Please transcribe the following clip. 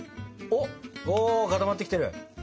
お固まってきてる！